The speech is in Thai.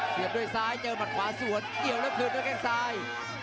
เสียบด้วยซ้ายเจอหมัดขวาสวนเกี่ยวแล้วคืนด้วยแข้งซ้าย